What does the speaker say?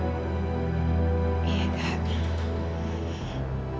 ayo kita lihat apakah mereka ilmuwi suistyut